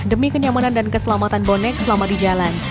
demi kenyamanan dan keselamatan bonek selama di jalan